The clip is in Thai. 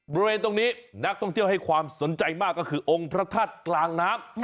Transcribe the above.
บริเวณตรงนี้นักท่องเที่ยวให้ความสนใจมากก็คือองค์พระธาตุกลางน้ำ